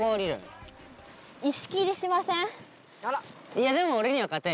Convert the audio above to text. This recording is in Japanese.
いやでも。